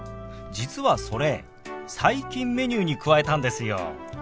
実はそれ最近メニューに加えたんですよ。